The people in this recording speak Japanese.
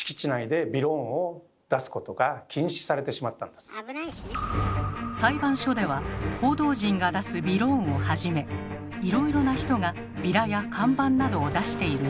でも裁判所では報道陣が出すびろーんをはじめいろいろな人がビラや看板などを出している状況。